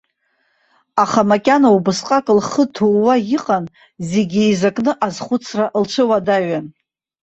Аха макьана убасҟак лхы ҭууа иҟан, зегьы еизакны азхәыцра лцәыуадаҩын.